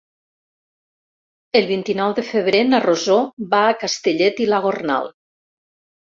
El vint-i-nou de febrer na Rosó va a Castellet i la Gornal.